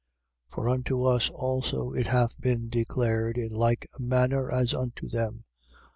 4:2. For unto us also it hath been declared in like manner as unto them.